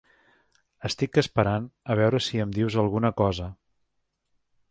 Estic esperant a veure si em dius alguna cosa.